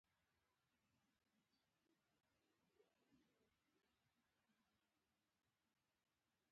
علم او پوهې په زېور سمبال کړو.